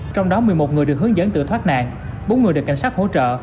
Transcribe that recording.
trong đó một mươi một người được hướng dẫn tự thoát nạn bốn người được cảnh sát hỗ trợ